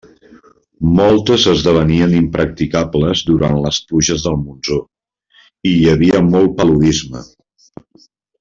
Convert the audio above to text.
Moltes esdevenien impracticables durant les pluges del monsó i hi havia molt paludisme.